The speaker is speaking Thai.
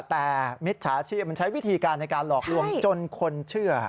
แต่มิจฉาชีพมันใช้วิธีการในการหลอกลวงจนคนเชื่อ